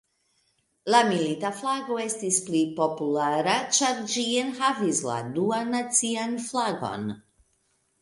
La Milita Flago estis pli populara, ĉar ĝi enhavis la Duan Nacian Flagon.